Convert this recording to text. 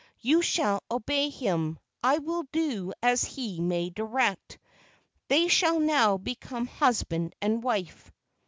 You shall obey him. I will do as he may direct. They shall now become husband and wife."